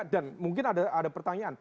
dan mungkin ada pertanyaan